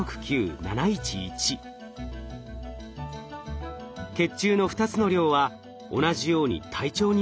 血中の２つの量は同じように体調によって変動します。